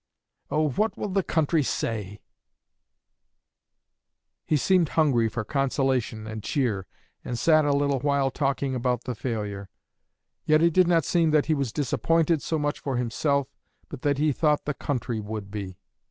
Oh, what will the country say_?' He seemed hungry for consolation and cheer, and sat a little while talking about the failure. Yet it did not seem that he was disappointed so much for himself, but that he thought the country would be."